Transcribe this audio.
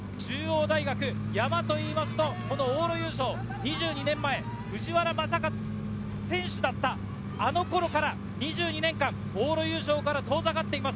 中央大学、山と言いますと、この往路優勝、２２年前、藤原正和、選手だったあの頃から２２年間、往路優勝から遠ざかっています。